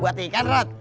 buat ikan rot